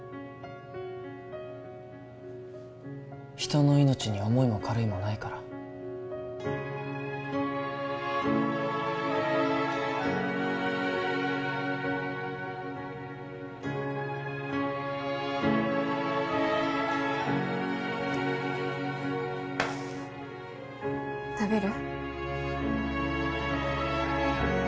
人の命に重いも軽いもないから食べる？